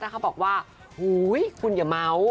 แล้วเขาบอกว่าหูยคุณอย่าเม้า